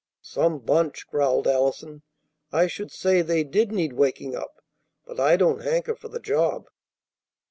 "Some bunch!" growled Allison. "I should say they did need waking up, but I don't hanker for the job."